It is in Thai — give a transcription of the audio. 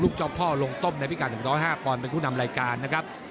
เจ้าพ่อลงต้มในพิการ๑๐๕ปอนด์เป็นผู้นำรายการนะครับ